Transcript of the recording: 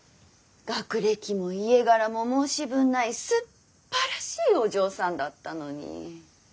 学歴も家柄も申し分ないすっばらしいお嬢さんだったのに。